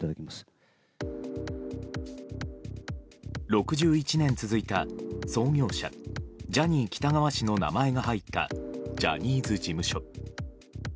６１年続いた創業者、ジャニー喜多川氏の名前が入ったジャニーズ事務所。